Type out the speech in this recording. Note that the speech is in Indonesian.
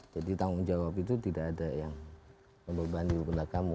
jadi tanggung jawab itu tidak ada yang membebani untuk kamu